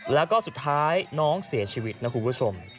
แล้วก็สุดท้ายน้องเสียชีวิตนะคุณผู้ชม